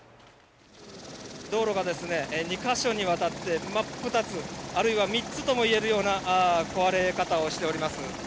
道路が２か所にわたって真っ二つあるいは３つともいえるような壊れ方をしています。